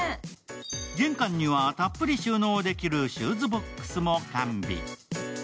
玄関にはたっぷり収納できるシューズボックスも完備。